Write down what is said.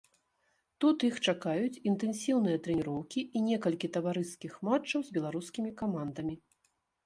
Тут іх чакаюць інтэнсіўныя трэніроўкі і некалькі таварыскіх матчаў з беларускімі камандамі.